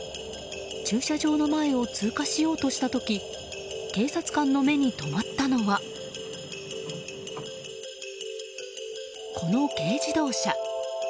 駐車場の前を通過しようとした時警察官の目に留まったのはこの軽自動車。